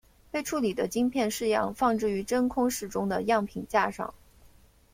被处理的晶片试样放置于真空室中的样品架上。